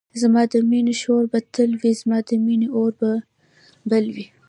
زما د مینی شور به تل وی زما د مینی اور به بل وی